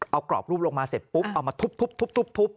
เอากรอบรูปลงมาเสร็จปุ๊บเอามาทุบทุบทุบทุบทุบทุบ